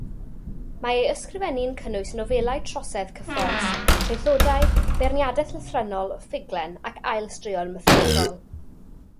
Mae ei ysgrifennu'n cynnwys nofelau trosedd cyffrous, traethodau, beirniadaeth lythrennol, ffuglen ac ail-straeon mytholegol.